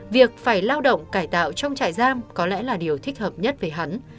việc phải lao động cải tạo trong trại giam có lẽ là điều thích hợp nhất về hắn